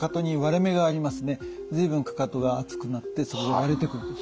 随分かかとが厚くなってそこが割れてくると。